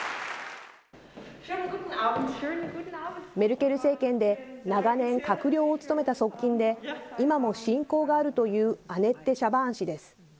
メルケル政権で、長年、閣僚を務めた側近で、今も親交があるというアネッテ・シャバーン氏です。